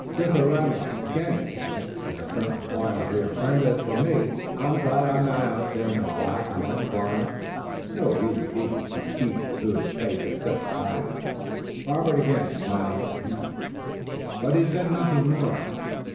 "Dithyrambic again, Lennox. You are certainly loyal to your friend. As for me, I'm glad I'm not out there in the black and wet forest. No human being can keep to his pace at such a time." Robert again smiled serenely, but he said nothing more.